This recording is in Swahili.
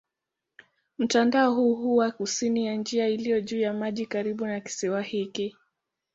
Mtandao huu huwa kusini ya njia iliyo juu ya maji karibu na kisiwa hiki.